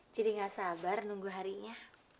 jadi nggak sabar nunggu harinya